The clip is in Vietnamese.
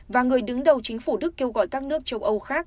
và người đứng đầu chính phủ đức kêu gọi các nước châu âu khác